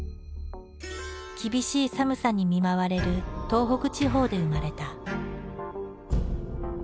厳しい寒さに見舞われる東北地方で生まれた。